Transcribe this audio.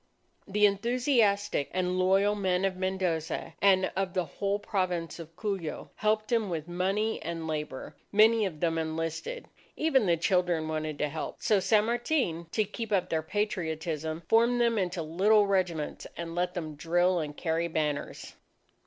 The enthusiastic and loyal men of Mendoza and of the whole Province of Cuyo, helped him with money and labour. Many of them enlisted. Even the children wanted to help; so San Martin, to keep up their Patriotism, formed them into little regiments and let them drill and carry banners.